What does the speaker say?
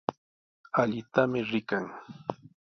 Allitami rikan.